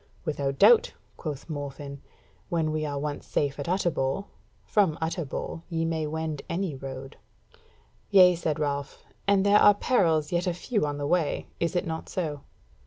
"Without doubt," quoth Morfinn, "when we are once safe at Utterbol. From Utterbol ye may wend any road." "Yea," said Ralph, "and there are perils yet a few on the way, is it not so?"